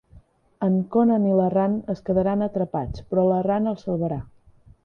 En Conan i la Ran es quedaran atrapats, però la Ran el salvarà.